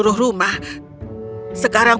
rosita sudah lebih larang